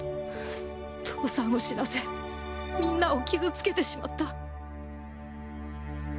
父さんを死なせみんなを傷つけてしまった。